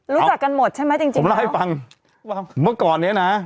รู้จักกันหมดใช่ไหมจริงจริงผมเล่าให้ฟังเมื่อก่อนเนี้ยนะ